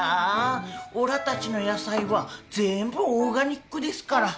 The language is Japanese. おらたちの野菜はぜーんぶオーガニックですから。